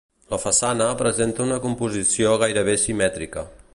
La façana principal presenta una composició gairebé simètrica.